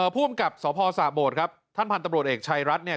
ภูมิกับสพสะโบดครับท่านพันธุ์ตำรวจเอกชายรัฐเนี่ย